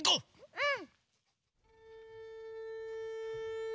うん！